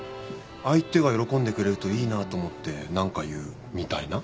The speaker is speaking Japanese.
相手が喜んでくれるといいなと思って何か言うみたいな？